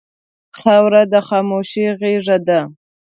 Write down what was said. خاوره د خاموشۍ غېږه ده.